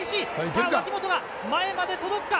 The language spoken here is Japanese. さあ、脇本が前まで届くか。